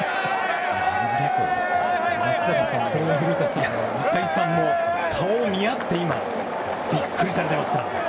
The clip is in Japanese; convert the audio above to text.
松坂さんも古田さんも中居さんも顔を見合ってびっくりされていました。